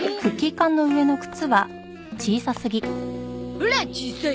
ほら小さい。